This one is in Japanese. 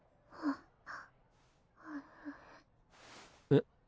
えっ？